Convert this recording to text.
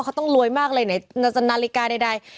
เขาต้องรวยมากเลยไหนนาฬิกาใด